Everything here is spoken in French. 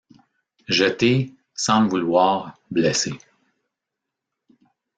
Je t’ai, sans le vouloir, blessée.